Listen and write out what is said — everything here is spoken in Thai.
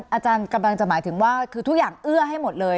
อาจารย์กำลังจะหมายถึงว่าคือทุกอย่างเอื้อให้หมดเลย